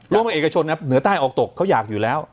ว่าเอกชนเหนือใต้ออกตกเขาอยากอยู่แล้ว